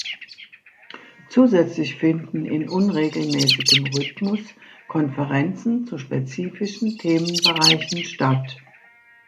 Zusätzlich finden in unregelmäßigem Rhythmus Konferenzen zu spezifischen Themenbereichen statt.